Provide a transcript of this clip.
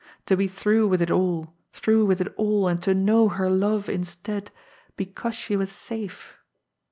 To be through with it all, through with it all, and to know her love instead because she was safe!